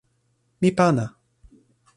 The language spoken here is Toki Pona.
mi pana!